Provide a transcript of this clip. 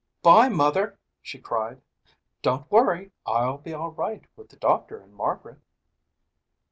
"Bye, Mother," she cried. "Don't worry. I'll be all right with the doctor and Margaret."